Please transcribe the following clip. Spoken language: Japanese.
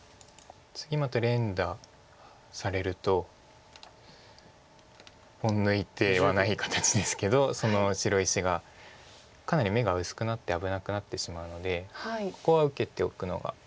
次また連打されるとポン抜いてはない形ですけどその白石がかなり眼が薄くなって危なくなってしまうのでここは受けておくのが。